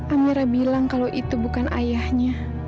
amira bilang kalau itu bukan ayahnya